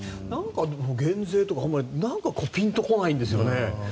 減税とかピンと来ないんですよね。